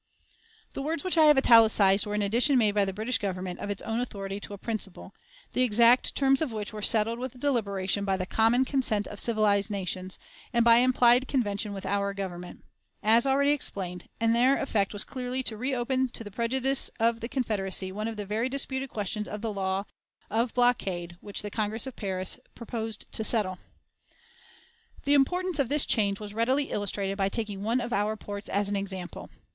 The words which I have italicized were an addition made by the British Government of its own authority to a principle, the exact terms of which were settled with deliberation by the common consent of civilized nations, and by implied convention with our Government, as already explained, and their effect was clearly to reopen to the prejudice of the Confederacy one of the very disputed questions on the law of blockade which the Congress of Paris proposed to settle. The importance of this change was readily illustrated by taking one of our ports as an example.